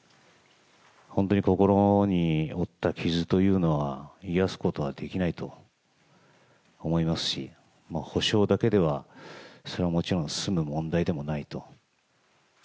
本当に心に負った傷というのは癒やすことはできないと思いますし、補償だけでは、それはもちろん済む問題でもないと。